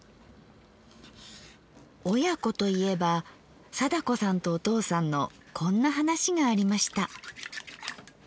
親子といえば貞子さんとお父さんのこんな話がありました。